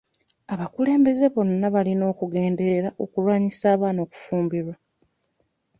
Abakulembeze bonna balina okugenderera okulwanyisa abaana okufumbirwa.